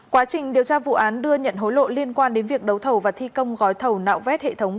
quá trình điều tra vụ án đưa nhận hối lộ liên quan đến việc đấu thầu và thi công gói thầu nạo vét hệ thống